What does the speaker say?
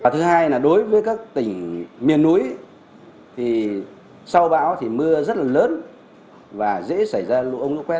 thứ hai là đối với các tỉnh miền núi thì sau bão thì mưa rất là lớn và dễ xảy ra lũ ống lũ quét